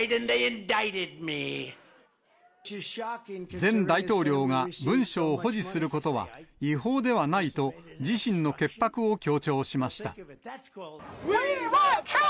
前大統領が文書を保持することは違法ではないと、自身の潔白を強調しました。